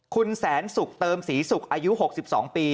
คุณแสนสุขเติมศรีศุกร์อายุ๖๒ปี